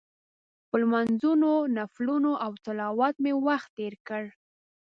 په لمونځونو، نفلونو او تلاوت مې وخت تېر کړ.